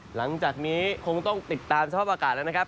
หลังจากนี้คงต้องติดตามสภาพอากาศแล้วนะครับ